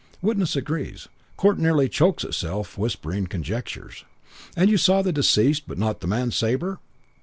Witness agrees. Court nearly chokes itself whispering conjectures. 'And you saw the deceased but not the man Sabre?'